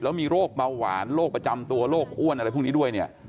แล้วมีโรคเบาหวานโรคประจำตัวโรคอ้วนอะไรพวกนี้ด้วยเนี่ย